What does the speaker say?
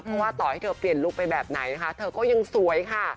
เพราะว่าต่อให้เธอเปลี่ยนลุคไปแบบไหนนะคะเธอก็ยังสวยค่ะ